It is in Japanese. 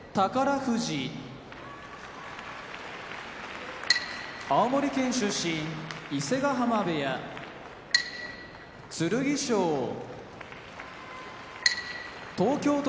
富士青森県出身伊勢ヶ濱部屋剣翔東京都出身